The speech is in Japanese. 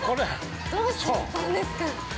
どうしちゃったんですか。